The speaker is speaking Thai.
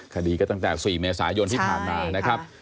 คดีก็ตั้งแต่๔เมษายนที่ผ่านมานะครับ